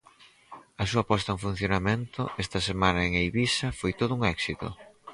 A súa posta en funcionamento, esta semana en Eivisa, foi todo un éxito.